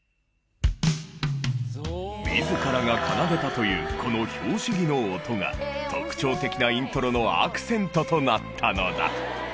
自らが奏でたというこの拍子木の音が特徴的なイントロのアクセントとなったのだ。